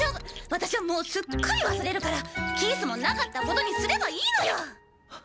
私はもうすっかり忘れるからキースもなかったことにすればいいのよ！